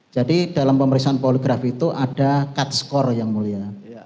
jadi dalam pemeriksaan poligraf itu ada cut score yang mulia